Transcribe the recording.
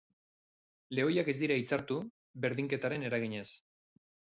Lehoiak ez dira itzartu, berdinketaren eraginez.